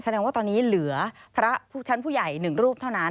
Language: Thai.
แสดงว่าตอนนี้เหลือพระชั้นผู้ใหญ่๑รูปเท่านั้น